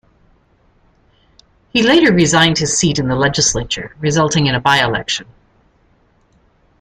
He later resigned his seat in the legislature, resulting in a by-election.